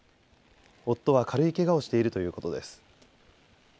夫は軽いけがをしているということです。